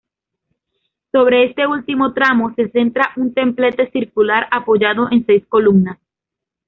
Sobre este último tramo se centra un templete circular apoyado en seis columnas.